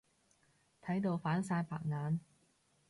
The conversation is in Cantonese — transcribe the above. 睇到反晒白眼。